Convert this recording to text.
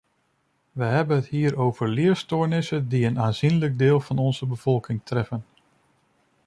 We hebben het hier over leerstoornissen die een aanzienlijk deel van onze bevolking treffen.